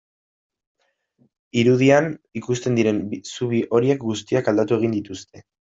Irudian ikusten diren zubi horiek guztiak aldatu egin dituzte.